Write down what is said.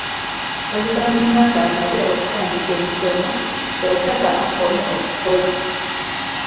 Oluvannyuma nga mmaze okutandika emisomo, yasaba akomye okukola.